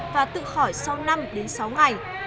và tự khỏi sau năm đến sáu ngày